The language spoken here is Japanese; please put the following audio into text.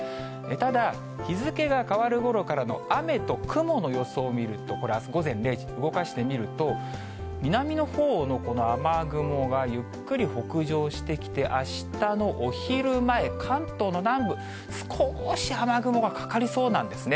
ただ、日付が変わるごろからの雨と雲の予想を見ると、これ、あす午前０時、動かしてみると、南のほうのこの雨雲が、ゆっくり北上してきて、あしたのお昼前、関東の南部、少し雨雲がかかりそうなんですね。